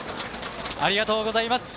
ありがとうございます。